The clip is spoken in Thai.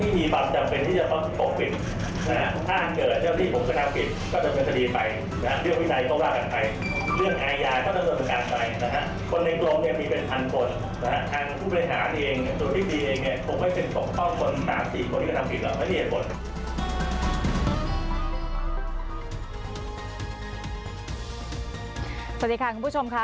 สวัสดีค่ะคุณผู้ชมค่ะ